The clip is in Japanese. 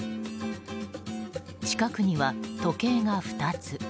近くには、時計が２つ。